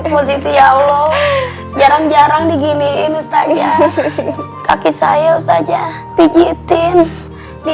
positif ya allah jarang jarang diginiin mustahaja kaki saya mustahaja pijetin di